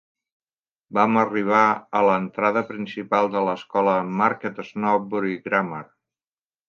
Vam arribar a l'entrada principal de l'escola Market Snodsbury Grammar.